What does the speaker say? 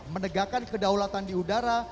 menegakkan kedaulatan di udara